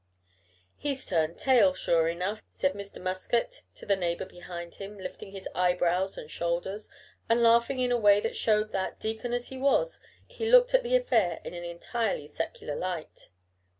"He's turned tail, sure enough," said Mr. Muscat to the neighbor behind him, lifting his eyebrows and shoulders, and laughing in a way that showed that, deacon as he was, he looked at the affair in an entirely secular light.